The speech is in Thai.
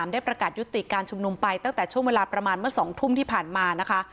ได้ประกาศยุติการชุมนุมไปตั้งแต่ช่วงเวลาประมาณเมื่อ๒ทุ่มที่ผ่านมานะคะ